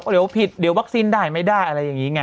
เดี๋ยวผิดเดี๋ยววัคซีนได้ไม่ได้อะไรอย่างนี้ไง